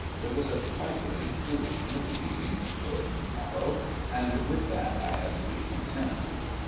There was a trifling foolish committee meeting toward to morrow, and with that I had to be content.